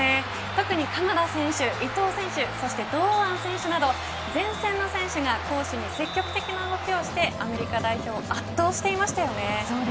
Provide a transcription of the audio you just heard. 特に鎌田選手、伊東選手そして堂安選手など前線の選手が攻守に積極的な動きをしてアメリカ代表を圧倒していましたよね。